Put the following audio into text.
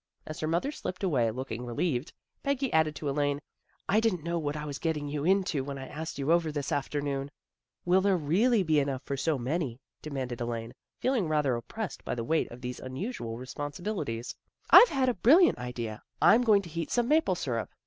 As her mother slipped away, looking relieved, Peggy added to Elaine, " I didn't know what I was getting you into when I asked you over this afternoon." " Will there really be enough for so many? " demanded Elaine, feeling rather oppressed by the weight of these unusual responsibilities. A BUSY AFTERNOON 63 " I've had a brilliant idea; I'm going to heat some maple syrup.